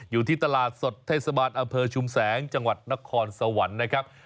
อยู่ที่ตลาดสดเทศบาลอำเภอชุมแสงจังหวัดนครสวรรค์นะครับ